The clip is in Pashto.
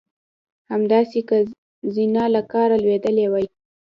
همداسې که زینه له کاره لوېدلې وای.